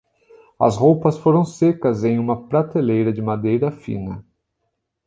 As roupas foram secas em uma prateleira de madeira fina.